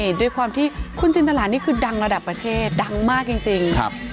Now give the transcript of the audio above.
ด้วยความที่คุณจินตรานี่คือดังระดับประเทศดังมากจริงครับ